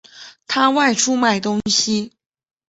他外出买东西